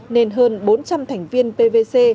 nên hơn bốn trăm linh thành viên pvc